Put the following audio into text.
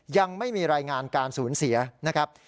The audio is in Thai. ยังไม่มีรายงานการสูญเสียนะครับ